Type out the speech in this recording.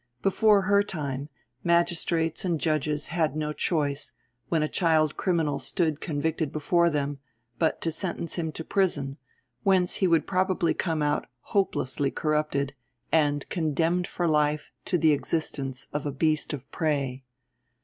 Before her time, magistrates and judges had no choice, when a child criminal stood convicted before them, but to sentence him to prison, whence he would probably come out hopelessly corrupted and condemned for life to the existence of a beast of prey.